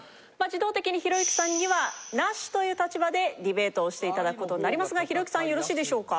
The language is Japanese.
自動的にひろゆきさんにはなしという立場でディベートをしていただく事になりますがひろゆきさんよろしいでしょうか？